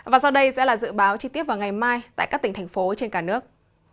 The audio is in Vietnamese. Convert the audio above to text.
và sau đây sẽ là dự báo chi tiết vào ngày mai tại các tỉnh thành phố trên cả nước